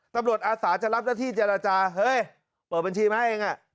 ตำรวจอาสาจะรับหน้าที่เจรจาเฮ้ยเปิดบัญชีมาให้เอง